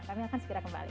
kami akan segera kembali